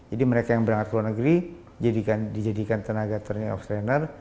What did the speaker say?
jadi mereka yang berangkat ke luar negeri dijadikan tenaga training of trainer